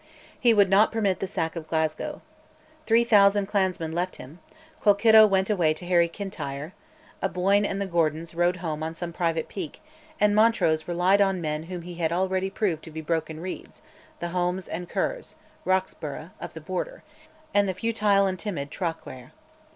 He would not permit the sack of Glasgow. Three thousand clansmen left him; Colkitto went away to harry Kintyre. Aboyne and the Gordons rode home on some private pique; and Montrose relied on men whom he had already proved to be broken reeds, the Homes and Kers (Roxburgh) of the Border, and the futile and timid Traquair.